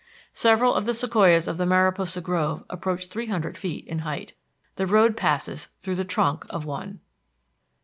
Several of the sequoias of the Mariposa grove approach three hundred feet in height. The road passes through the trunk of one.